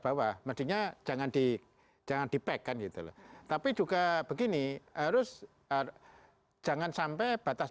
bawah mestinya jangan di jangan dipek kan gitu loh tapi juga begini harus jangan sampai batas